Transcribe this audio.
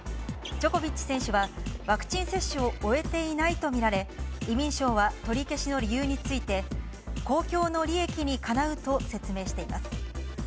ジョコビッチ選手はワクチン接種を終えていないと見られ、移民相は取り消しの理由について、公共の利益にかなうと説明しています。